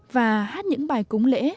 và hát những bài cúng lễ